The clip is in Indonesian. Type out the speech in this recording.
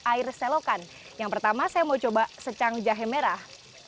air selokan yang pertama saya mau coba secang jahe merah